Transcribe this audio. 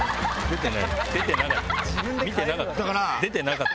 出てなかった。